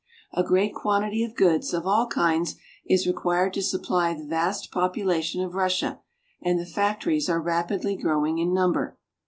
A great quantity of goods of all kinds is required to supply the vast population of Russia, and the factories are rapidly growing in number.